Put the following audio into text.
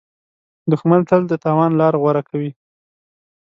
دښمن تل د تاوان لاره غوره کوي